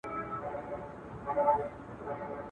o دادا دي خداى نر کي ، چي ادې ووهي.